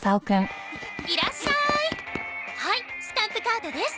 スタンプカードです。